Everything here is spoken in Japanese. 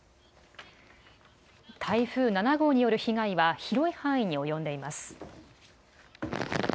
台風７号による被害は広い範囲に及んでいます。